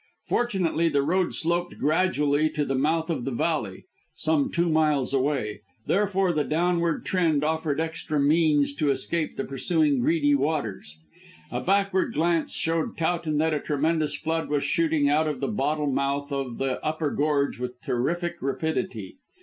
Fortunately, the road sloped gradually to the mouth of the valley, some two miles away, therefore the downward trend offered extra means to escape the pursuing greedy waters. A backward glance showed Towton that a tremendous flood was shooting out of the bottle mouth of the upper gorge with terrific rapidity.